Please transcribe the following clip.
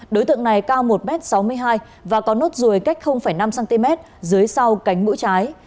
đối tượng này cao một m sáu mươi hai và có nốt ruồi cách năm cm dưới sau cánh mũi trái